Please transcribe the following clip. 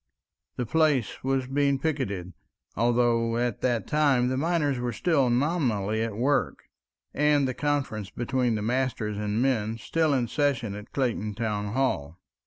The place was being picketed, although at that time the miners were still nominally at work, and the conferences between masters and men still in session at Clayton Town Hall.